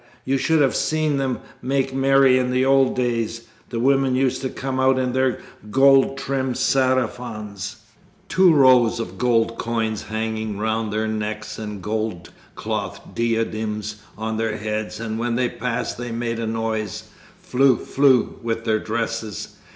You should have seen them make merry in the old days! The women used to come out in their gold trimmed sarafans. Two rows of gold coins hanging round their necks and gold cloth diadems on their heads, and when they passed they made a noise, "flu, flu," with their dresses.